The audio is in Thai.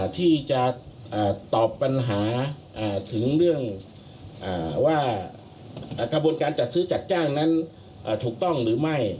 ที่จะตอบปัญหาถึงเรื่องว่ากระบวนการจัดซื้อจัดจ้างนั้นถูกต้องหรือไม่